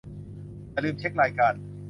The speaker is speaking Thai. อย่าลืมเช็ครายการ